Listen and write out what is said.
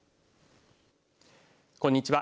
こんにちは。